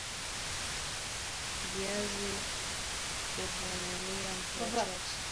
viazi huvumilia mvua chache